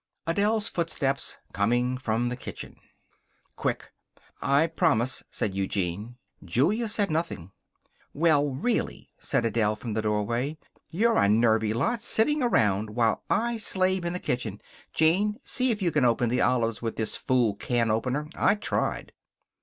Adele's footsteps coming from the kitchen. "Quick!" "I promise," said Eugene. Julia said nothing. "Well, really," said Adele, from the doorway, "you're a nervy lot, sitting around while I slave in the kitchen. Gene, see if you can open the olives with this fool can opener. I tried."